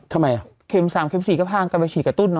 ทำไมอ่ะเข็มสามเข็มสี่ก็พ่างกันไปฉีดกับตุ๊ดเนอะ